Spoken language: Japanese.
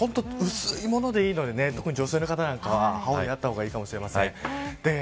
薄い物でいいので特に女性の方なんかは羽織があった方がいいかもしれません。